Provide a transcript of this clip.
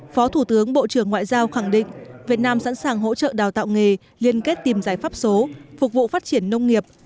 phó thủ tướng bộ trưởng ngoại giao khẳng định việt nam sẵn sàng hỗ trợ đào tạo nghề liên kết tìm giải pháp số phục vụ phát triển nông nghiệp